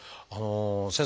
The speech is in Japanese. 先生